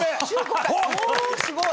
おすごい！